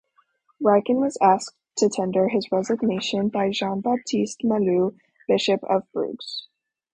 Ryken was asked to tender his resignation by Jean-Baptiste Malou, Bishop of Bruges.